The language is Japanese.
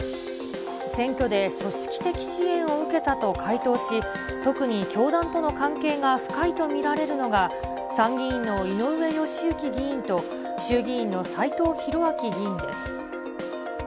選挙で組織的支援を受けたと回答し、特に教団との関係が深いと見られるのが、参議院の井上義行議員と、衆議院の斎藤洋明議員です。